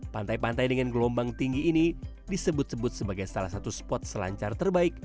pantai pantai dengan gelombang tinggi ini disebut sebut sebagai salah satu spot selancar terbaik